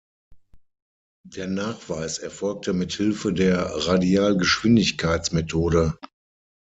Der Nachweis erfolgte mit Hilfe der Radialgeschwindigkeitsmethode.